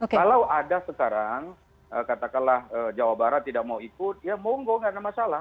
kalau ada sekarang katakanlah jawa barat tidak mau ikut ya monggo nggak ada masalah